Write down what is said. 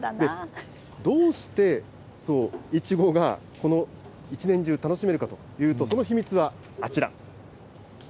どうしていちごが一年中楽しめるかというと、その秘密はあちら。